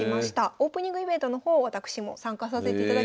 オープニングイベントの方私も参加させていただきました。